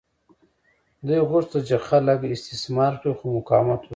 دوی غوښتل چې خلک استثمار کړي خو مقاومت وشو.